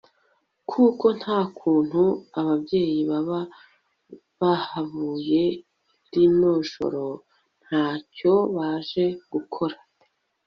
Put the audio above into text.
kuko ntakuntu ababyeyi baba bahavuye rino joro ntacyo baje gukora